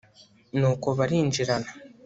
nuko barinjirana